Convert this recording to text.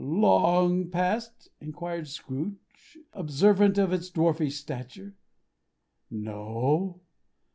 "Long Past?" inquired Scrooge; observant of its dwarfish stature. "No.